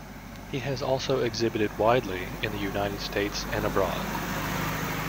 He has also exhibited widely in the United States and abroad.